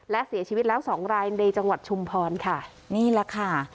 และเสียชีวิตแล้วสองรายในจังหวัดชุมพรค่ะนี่แหละค่ะ